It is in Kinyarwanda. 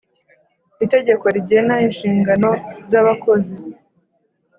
Itegeko rigena inshingano zabakozi .